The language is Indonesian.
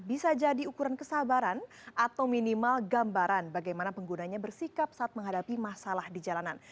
bisa jadi ukuran kesabaran atau minimal gambaran bagaimana penggunanya bersikap saat menghadapi masalah di jalanan